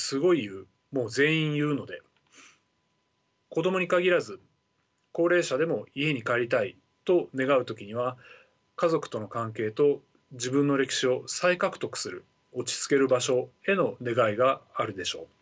子どもに限らず高齢者でも「家に帰りたい」と願う時には家族との関係と自分の歴史を再獲得する落ち着ける場所への願いがあるでしょう。